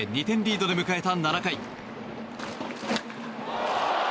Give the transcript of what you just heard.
２点リードで迎えた７回。